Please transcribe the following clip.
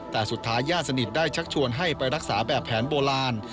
แต่สุดท้ายญาติสนิทได้ชักชวนให้ไปรักษาแบบแผนโบราณ